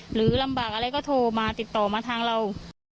หรือลำบากอะไรก็โทรมาติดต่อมาทางเรา